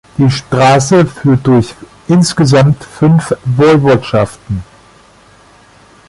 Die Straße führt durch insgesamt fünf Woiwodschaften.